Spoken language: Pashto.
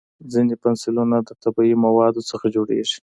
ځینې پنسلونه د طبیعي موادو څخه جوړېږي.